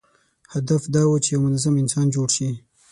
هدف دا و چې یو منظم انسان جوړ شي.